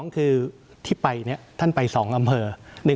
๒คือที่ไปท่านไป๒อำเภอ